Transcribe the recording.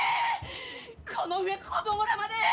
この上、子供らまで！